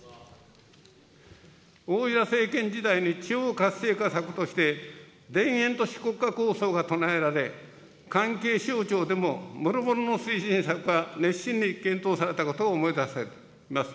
大平政権時代に、地方活性化策として田園都市国家構想が唱えられ、関係省庁でももろもろの推進策が熱心に検討されたことを思い出されます。